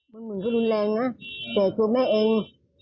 มันเหมือนก็รุนแรงนะแต่ตัวแม่เอง